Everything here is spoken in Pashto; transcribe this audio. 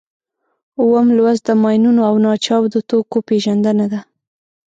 اووم لوست د ماینونو او ناچاودو توکو پېژندنه ده.